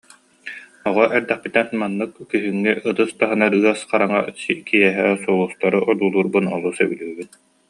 Оҕо эрдэхпиттэн маннык, күһүҥҥү ытыс таһынар ыас хараҥа киэһэ сулустары одуулуурбун олус сөбүлүүбүн